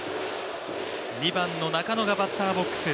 ２番の中野がバッターボックス。